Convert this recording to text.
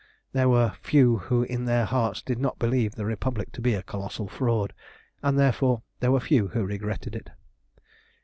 There were few who in their hearts did not believe the Republic to be a colossal fraud, and therefore there were few who regretted it.